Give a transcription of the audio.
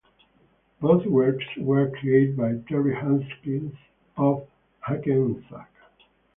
Both works were created by Terri Haskins of Hackensack.